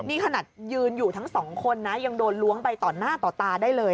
นี่ขนาดยืนอยู่ทั้งสองคนนะยังโดนล้วงไปต่อหน้าต่อตาได้เลย